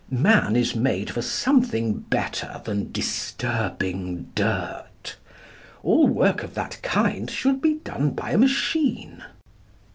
Man is made for something better than disturbing dirt. All work of that kind should be done by a machine.